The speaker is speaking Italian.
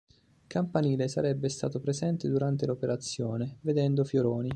Campanile sarebbe stato presente durante l'operazione, vedendo Fioroni.